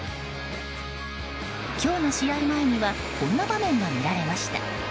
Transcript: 今日の試合前にはこんな場面も見られました。